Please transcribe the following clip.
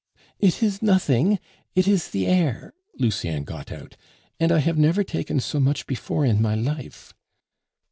"It is nothing; it is the air," Lucien got out, "and I have never taken so much before in my life."